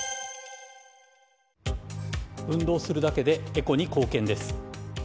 運動するだけでエコに貢献です。